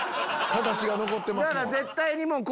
形が残ってますもん。